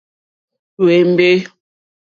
Hwémbè.